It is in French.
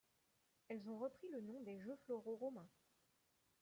Elles ont repris le nom des jeux floraux romains.